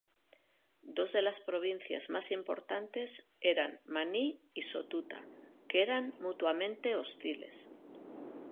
Dos de las provincias más importantes eran Maní y Sotuta, que eran mutuamente hostiles.